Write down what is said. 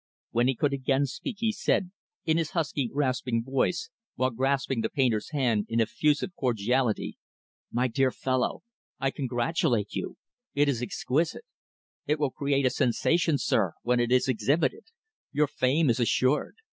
When he could again speak, he said, in his husky, rasping whisper, while grasping the painter's hand in effusive cordiality, "My dear fellow, I congratulate you. It is exquisite. It will create a sensation, sir, when it is exhibited. Your fame is assured.